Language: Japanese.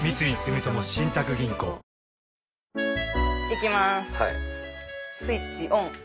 行きますスイッチオン！